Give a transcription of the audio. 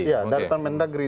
iya dari permendagri